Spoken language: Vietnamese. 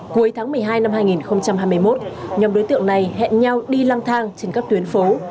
cuối tháng một mươi hai năm hai nghìn hai mươi một nhóm đối tượng này hẹn nhau đi lăng thang trên các tuyến phố